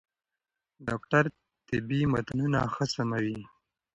ډاکټر طبي متنونه ښه سموي.